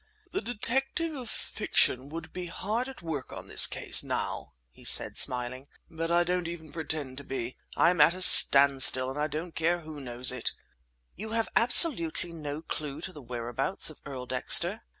"The detective of fiction would be hard at work on this case, now," he said, smiling, "but I don't even pretend to be. I am at a standstill and I don't care who knows it." "You have absolutely no clue to the whereabouts of Earl Dexter?"